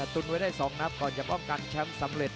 ตุนไว้ได้๒นัดก่อนจะป้องกันแชมป์สำเร็จ